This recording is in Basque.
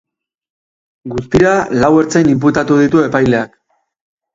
Guztira, lau ertzain inputatu ditu epaileak.